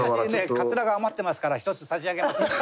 かつらが余ってますから１つ差し上げます。